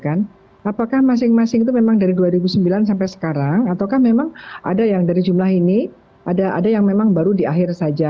apakah masing masing itu memang dari dua ribu sembilan sampai sekarang ataukah memang ada yang dari jumlah ini ada yang memang baru di akhir saja